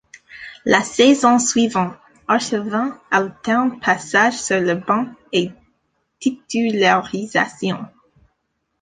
La saison suivante, Archavine alterne passages sur le banc et titularisations.